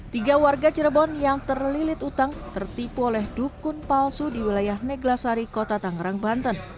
tiga warga cirebon yang terlilit utang tertipu oleh dukun palsu di wilayah neglasari kota tangerang banten